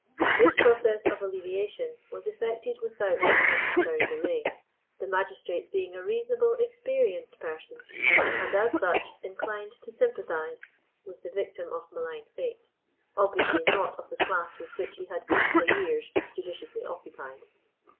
This process of alleviation was effected without unnecessary delay, the magistrate being a reasonable, experienced person, and as such inclined to sympathise with the victim of malign fate, obviously not of the class with which he had been for years judicially occupied.